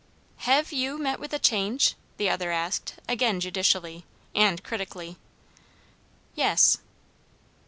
"Hev' you met with a change?" the other asked, again judicially, and critically. "Yes."